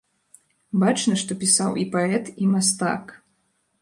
Бачна, што пісаў і паэт, і мастак.